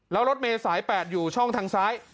แล้วรถเมย์สาย๘อยู่ช่องทางซ้าย